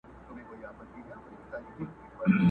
o چي زوړ سې، نر به دي بولم چي په جوړ سې!